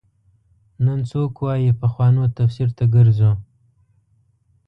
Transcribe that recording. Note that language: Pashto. نن څوک وايي پخوانو تفسیر ته ګرځو.